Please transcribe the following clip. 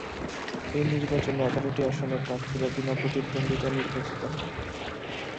এই নির্বাচনে এগারোটি আসনে প্রার্থীরা বিনা প্রতিদ্বন্দ্বিতায় নির্বাচিত হন।